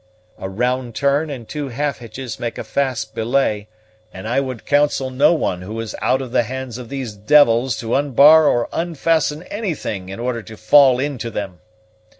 "A round turn and two half hitches make a fast belay; and I would counsel no one who is out of the hands of these devils to unbar or unfasten anything in order to fall into them.